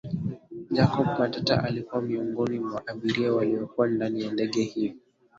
Jacob Matata alikua miongoni mwa abiria waliokua ndani ya ndege hiyo